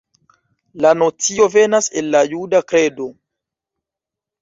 La nocio venas el la juda kredo.